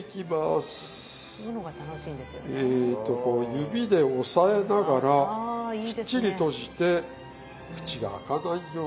指で押さえながらきっちり閉じて口が開かないように。